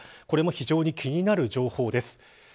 これも非常に気になる情報です。